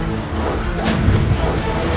cuma untuk memainkan bya